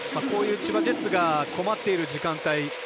こういう千葉ジェッツが困っている時間帯